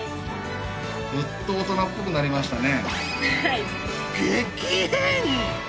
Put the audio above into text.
ぐっと大人っぽくなりましたね。